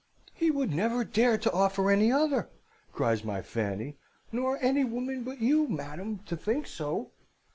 "'He would never dare to offer any other,' cries my Fanny; 'nor any woman but you, madam, to think so!'